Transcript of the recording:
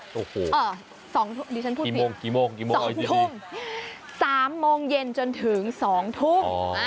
๒ทุ่ม๓โมงเย็นจนถึง๒ทุ่ม